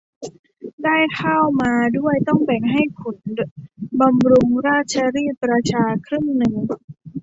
ได้ข้าวมาแล้วต้องแบ่งให้ขุนบำรุงราชรีดประชาครึ่งหนึ่ง